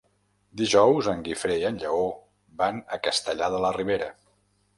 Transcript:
Dijous en Guifré i en Lleó van a Castellar de la Ribera.